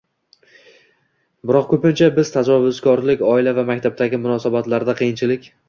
Biroq ko‘pincha biz tajovuzkorlik, oila va maktabdagi munosabatlarda qiyinchilik